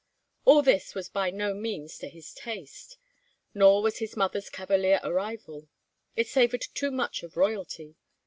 All this was by no means to his taste. Nor was his mother's cavalier arrival. It savored too much of royalty.